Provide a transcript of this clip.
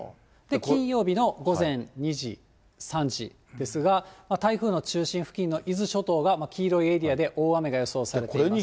金曜日の午前２時、３時ですが、台風の中心付近の伊豆諸島が黄色いエリアで、大雨が予想されています。